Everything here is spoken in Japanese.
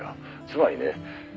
「つまりね」